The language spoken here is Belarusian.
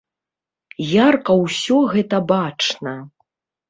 Ярка ўсё гэта бачна.